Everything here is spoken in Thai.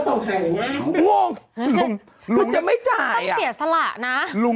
ว้าวมันจะไม่จ่ายต้องเสียสละนะ